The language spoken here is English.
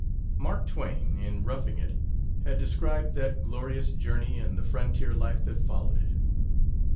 Mark Twain, in Roughing It, has described that glorious journey and the frontier life that followed it.